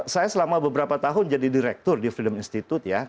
saya selama beberapa tahun jadi direktur di freedom institute ya